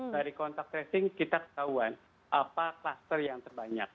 dari kontak tracing kita ketahuan apa kluster yang terbanyak